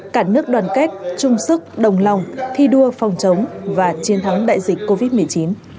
cả nước đoàn kết chung sức đồng lòng thi đua phòng chống và chiến thắng đại dịch covid một mươi chín